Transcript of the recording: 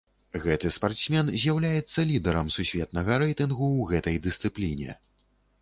Гэты спартсмен з'яўляецца лідарам сусветнага рэйтынгу ў гэтай дысцыпліне.